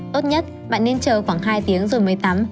tốt nhất bạn nên chờ khoảng hai tiếng rồi mới tắm